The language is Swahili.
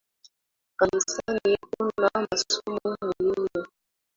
Kanisani kuna masomo muhimu